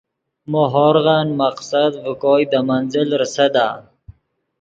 مو ہورغن مقصد ڤے کوئے دے منزل ریسدا